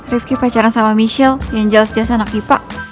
rifki pacaran sama michelle yang jelas jelas anak pipa